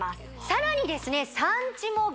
さらにですね